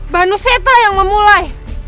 banuseta yang memulai